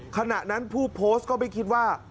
ขณะนั้นผู้โพสต์ก็ไม่คิดว่า